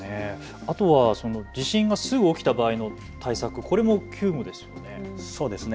あとは地震がすぐ起きた場合の対策、これも急務ですよね。